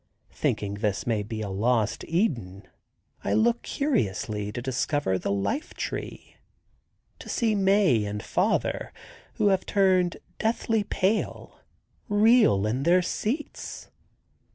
Thinking this may be a lost Eden, I look curiously to discover the life tree, to see Mae and father, who have turned deathly pale, reel in their seats.